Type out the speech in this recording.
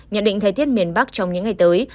nhận định thời tiết miền bắc trong những ngày tới